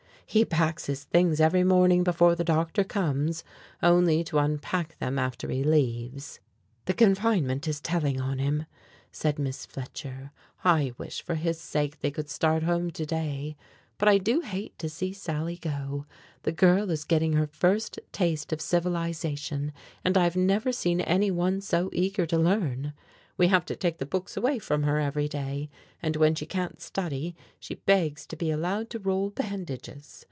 "He packs his things every morning before the doctor comes, only to unpack them after he leaves." "The confinement is telling on him," said Miss Fletcher. "I wish for his sake they could start home to day. But I do hate to see Sally go! The girl is getting her first taste of civilization, and I've never seen anyone so eager to learn. We have to take the books away from her every day, and when she can't study she begs to be allowed to roll bandages.